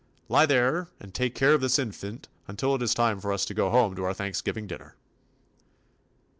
Lie there and take care 36 TOMMY POSTOFFICE of this infant until it is time for us to go home to our Thanksgiving din ner.